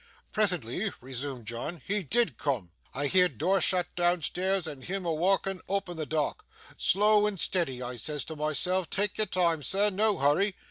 'Presently,' resumed John, 'he DID coom. I heerd door shut doonstairs, and him a warking, oop in the daark. "Slow and steddy," I says to myself, "tak' your time, sir no hurry."